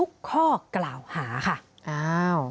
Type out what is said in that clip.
คุยกับตำรวจเนี่ยคุยกับตำรวจเนี่ย